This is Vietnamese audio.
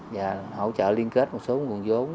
và hỗ trợ liên kết một số nguồn vốn